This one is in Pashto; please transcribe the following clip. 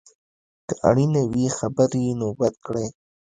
که اړینه وي خبرې یې نوټ کړئ.